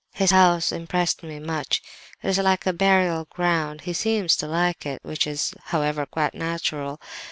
His house impressed me much; it is like a burial ground, he seems to like it, which is, however, quite natural.